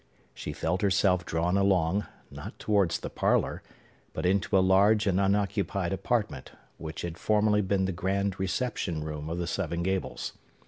She felt herself drawn along, not towards the parlor, but into a large and unoccupied apartment, which had formerly been the grand reception room of the Seven Gables.